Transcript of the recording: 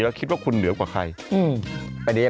แล้วคิดว่าคุณเหนือกว่าใคร